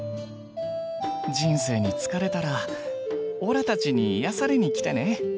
人生に疲れたらおらたちに癒やされに来てね。